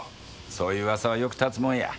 そういう噂はよく立つもんや。